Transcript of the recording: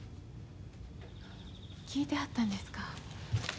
聞いてはったんですか？